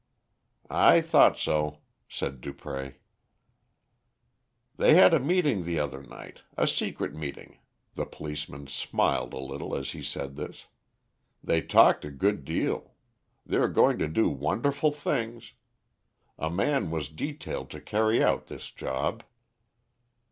"I thought so," said Dupré. "They had a meeting the other night a secret meeting;" the policeman smiled a little as he said this. "They talked a good deal. They are going to do wonderful things. A man was detailed to carry out this job."